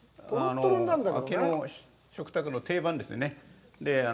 秋の食卓の定番ですね。